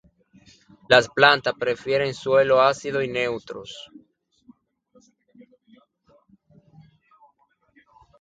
La planta prefiere suelos ácidos y neutros.